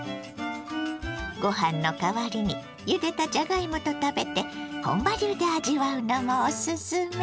ご飯の代わりにゆでたじゃがいもと食べて本場流で味わうのもおすすめ。